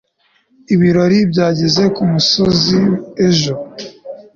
ibirori byageze kumusozi ejo